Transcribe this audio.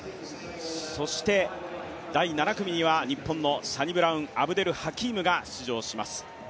そして第７組には日本のサニブラウン・アブデルハキームが出場します。